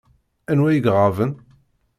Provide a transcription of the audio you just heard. Anwa i iɣaben?